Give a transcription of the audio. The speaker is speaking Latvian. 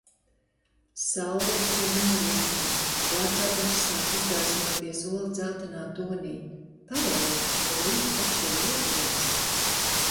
Saule tuvu norietam, laternas sāk izgaismoties oldzeltenā tonī. Pareizi, rīt taču Lieldienas.